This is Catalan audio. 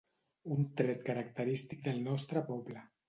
Un tret característic del nostre poble.